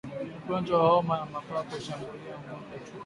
Ugonjwa wa homa ya mapafu hushambulia ngombe tu